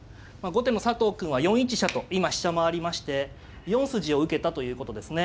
後手の佐藤くんは４一飛車と今飛車回りまして４筋を受けたということですね。